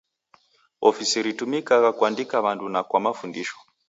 Ofisi ritumikagha kuandika w'andu na kwa mafundisho.